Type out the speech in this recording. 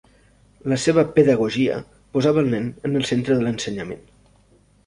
La seva pedagogia posava al nen en el centre de l'ensenyament.